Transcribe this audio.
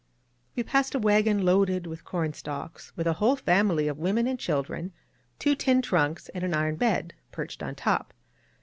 We passed a wagon loaded with corn stalks, with a whole family of women and children, two tin trunks, and an iron bed, perched on top.